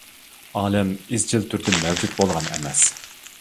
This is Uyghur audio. ئالەم ئىزچىل تۈردە مەۋجۇت بولغان ئەمەس.